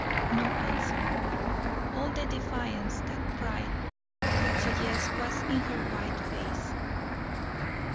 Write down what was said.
No answer. All the defiance that pride could suggest was in her white face.